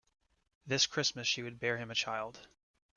This Christmas she would bear him a child.